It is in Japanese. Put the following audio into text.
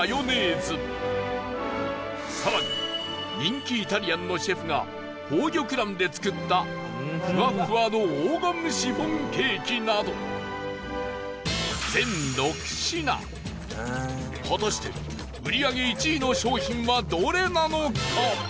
更に人気イタリアンのシェフが宝玉卵で作った、ふわふわの黄金シフォンケーキなど全６品果たして売り上げ１位の商品はどれなのか？